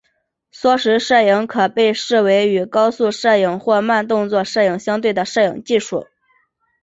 缩时摄影可被视为与高速摄影或慢动作摄影相对的摄影技术。